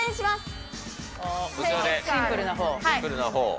はい。